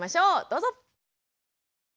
どうぞ！